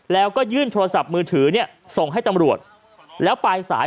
แล้วก็ยื่นโทรศัพท์มือถือเนี่ยส่งให้ตำรวจแล้วปลายสาย